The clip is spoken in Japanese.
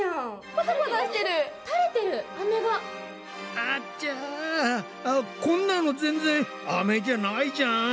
あっちゃこんなの全然アメじゃないじゃん！